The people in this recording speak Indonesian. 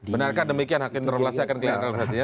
benarkah demikian hak interpelasinya akan kehilangan relevansinya